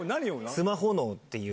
『スマホ脳』っていう。